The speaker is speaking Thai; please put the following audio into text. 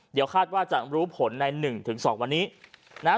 เดี๋ยวคาดว่าจะรู้ผลใน๑๒วันนี้นะฮะ